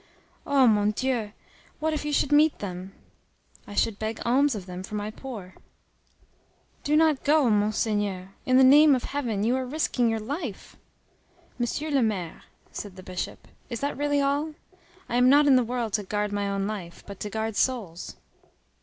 "Oh, mon Dieu! what if you should meet them!" "I should beg alms of them for my poor." "Do not go, Monseigneur. In the name of Heaven! You are risking your life!" "Monsieur le maire," said the Bishop, "is that really all? I am not in the world to guard my own life, but to guard souls."